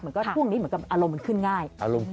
มันก็ช่วงนี้แบบอารมณ์มันขึ้นง่าย